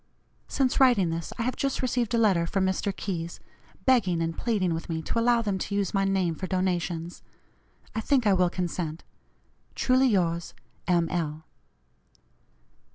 Since writing this, I have just received a letter from Mr. Keyes, begging and pleading with me to allow them to use my name for donations. I think I will consent. "Truly yours, M. L."